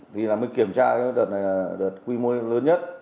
thì là mình kiểm tra cái đợt này là đợt quy mô lớn nhất